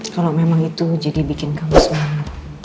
kalau memang itu jadi bikin kamu senang